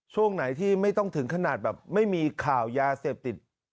ช่วงไหนที่ไม่ต้องถึงขนาดแบบไม่มีข่าวยาเสพติด